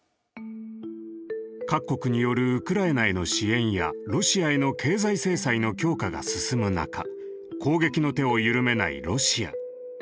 各国によるウクライナへの支援やロシアへの経済制裁の強化が進む中攻撃の手を緩めないロシア。